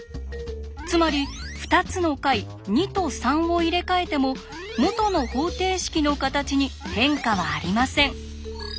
つまり２つの解２と３を入れ替えても元の方程式の形に変化はありません。